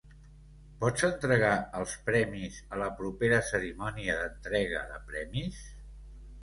Pots entregar els premis a la propera cerimònia d'entrega de premis?